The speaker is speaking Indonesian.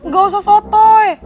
gak usah sotoy